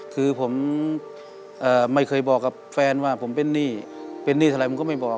คือผมไม่เคยบอกกับแฟนว่าผมเป็นหนี้เป็นหนี้เท่าไรผมก็ไม่บอก